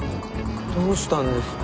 どうしたんですか？